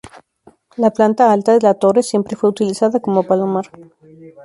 La planta alta de la torre siempre fue utilizada como palomar.